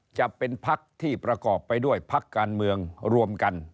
จะเป็นพักที่ประกอบไปด้วยพักการเมืองรวมกัน